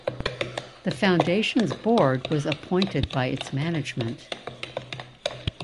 The foundation's board was appointed by its management.